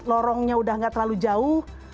lorongnya sudah nggak terlalu jauh